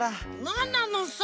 なんなのさ？